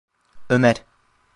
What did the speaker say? Ömer…